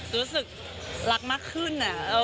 รู้สึกรักมากขึ้น